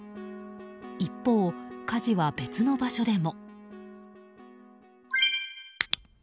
一方、火事は別の場所でも。